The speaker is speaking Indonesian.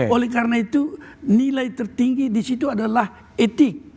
oleh karena itu nilai tertinggi di situ adalah etik